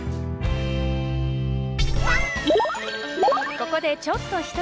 ここでちょっと一息。